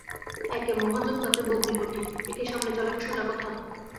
একে মহাজন তাতে ভগ্নীপতি, একে সামলে চলা কি সোজা কথা!